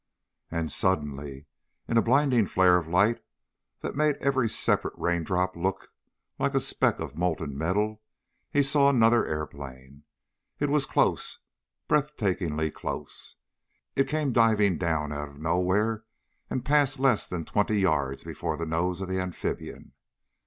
And suddenly, in a blinding flare of light that made every separate raindrop look like a speck of molten metal, he saw another airplane. It was close. Breath takingly close. It came diving down out of nowhere and passed less than twenty yards before the nose of the amphibian.